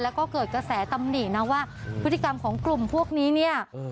แล้วก็เกิดกระแสตำหนินะว่าพฤติกรรมของกลุ่มพวกนี้เนี่ย